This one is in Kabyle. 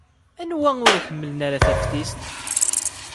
Anwa ur iḥemmlen ara taftist?